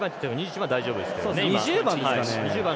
２０番ですかね。